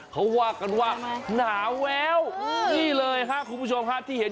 เขาว่ากันว่าหนาวแว้วนี่เลยฮะคุณผู้ชมฮะที่เห็น